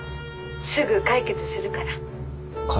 「すぐ解決するから」解。